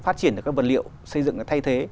phát triển được các vật liệu xây dựng thay thế